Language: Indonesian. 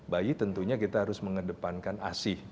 bayi tentunya kita harus mengedepankan asih